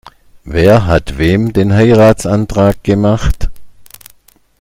Wer hat wem den Heiratsantrag gemacht?